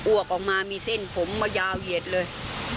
วกออกมามีเส้นผมมายาวเหยียดเลย